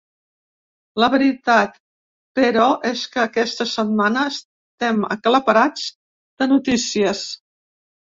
La veritat, però, és que aquesta setmana estem aclaparats de notícies.